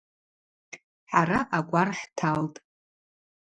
Хӏара акӏвар хӏталтӏ.